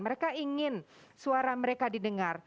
mereka ingin suara mereka didengar